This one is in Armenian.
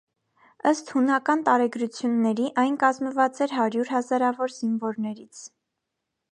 Ըստ հունական տարեգրությունների, այն կազմված էր հարյուր հազարավոր զինվորներից։